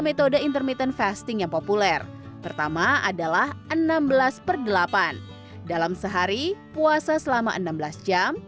metode intermittent fasting yang populer pertama adalah enam belas per delapan dalam sehari puasa selama enam belas jam